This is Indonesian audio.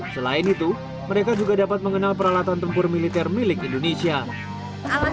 selain itu mereka juga dapat mengenal peralatan tempur militer milik indonesia